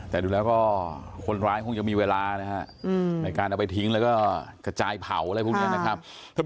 แต่ดูแล้วก็คนร้ายคงจะมีเวลานะฮะในการเอาไปทิ้งแล้วก็กระจายเผาอะไรพวกนี้นะครับ